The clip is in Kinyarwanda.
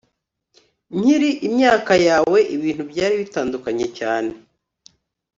Nkiri imyaka yawe ibintu byari bitandukanye cyane